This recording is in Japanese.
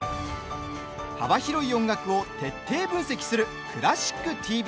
幅広い音楽を徹底分析する「クラシックＴＶ」。